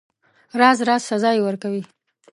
راز راز سزاوي ورکوي.